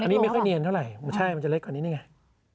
อันนี้ไม่ค่อยเนียนเท่าไหร่มันจะเล็กกว่านี้นี่ไง